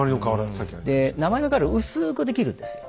で鉛の瓦薄くできるんですよ。